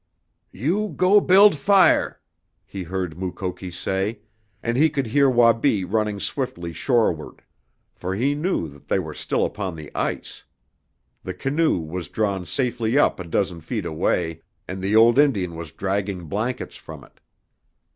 "You go build fire," he heard Mukoki say, and he could hear Wabi running swiftly shoreward. For he knew that they were still upon the ice. The canoe was drawn safely up a dozen feet away, and the old Indian was dragging blankets from it.